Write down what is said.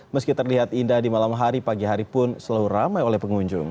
meski terlihat indah di malam hari pagi hari pun selalu ramai oleh pengunjung